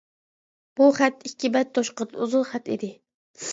بۇ خەت ئىككى بەت توشقان ئۇزۇن خەت ئىدى.